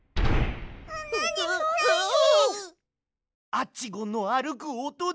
アッチゴンのあるくおとだ。